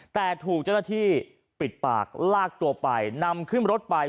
แต่ถูกเจ้าหน้าที่ปิดปากลากตัวไปนำขึ้นรถไป